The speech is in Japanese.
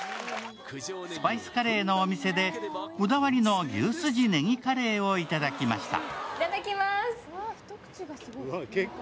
スパイスカレーのお店でこだわりの牛すじネギカレーをいただきました。